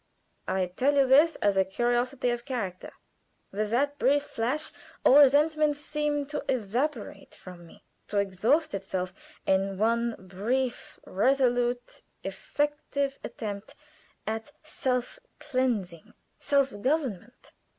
I tell you this as a curiosity of character. With that brief flash all resentment seemed to evaporate from me to exhaust itself in one brief, resolute, effective attempt at self cleansing, self government."